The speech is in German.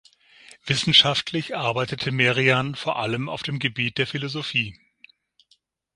Wissenschaftlich arbeitete Merian vor allem auf dem Gebiet der Philosophie.